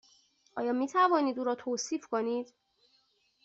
آیا می توانید او را توصیف کنید؟